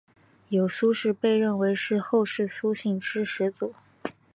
有苏氏被认为是后世苏姓之始祖。